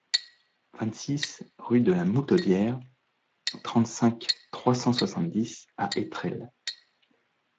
vingt-six rue de la Moutaudière, trente-cinq, trois cent soixante-dix à Étrelles